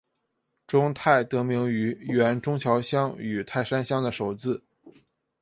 中泰得名于原中桥乡与泰山乡的首字。